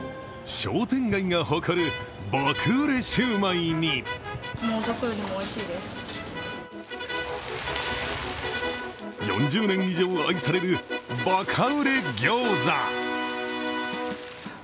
商店街が誇る爆売れシューマイに４０年以上愛される、バカ売れ餃子